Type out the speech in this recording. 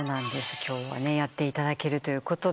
今日はやっていただけるということで。